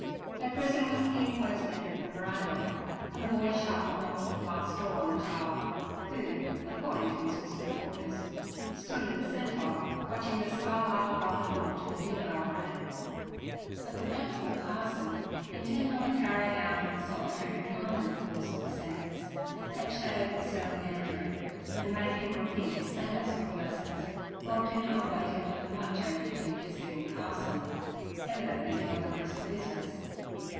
Her prison was the enclosed end of the veranda, and the boy shut and locked the glass door on the child, who, according to his whispered orders, stood in the centre, watching the skylight above the door till the dinnerbell rang. But the watchful parson, intent on the carrying out of the solitary confinement clause of the sentence, had shadowed the surly Andrew, and made him repeat his Sunday school lessons while dinner awaited the muchoverdue visiting parson, evidently doing a brisk business.